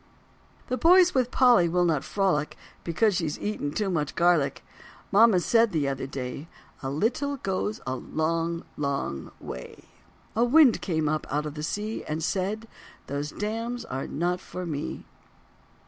The boys with Polly will not frolic Because she's eaten too much garlic. Mama said the other day, "A little goes a long, long way." A wind came up out of the sea And said, "Those dams are not for me."